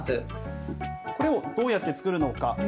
これをどうやって作るのか。